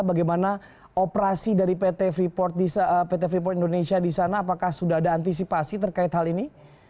bagaimana operasi dari pt freeport indonesia di sana apakah sudah ada antisipasi terkait hal ini